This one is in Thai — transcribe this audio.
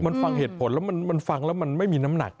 มันฟังเหตุผลแล้วมันฟังแล้วมันไม่มีน้ำหนัก